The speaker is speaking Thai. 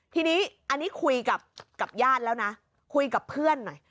ทีนี้อันนี้คุยกับญาติแล้วนะคุยกับเพื่อนหน่อย